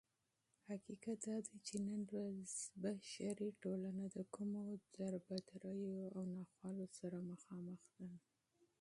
حقيقت دادى چې نن ورځ بشري ټولنه دكومو دربدريو او ناخوالو سره مخامخ ده